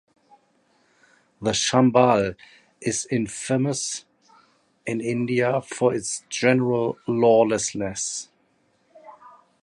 The Chambal is infamous in India for its general lawlessness.